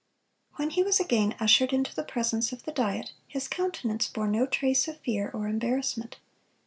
(218) When he was again ushered into the presence of the Diet, his countenance bore no trace of fear or embarrassment.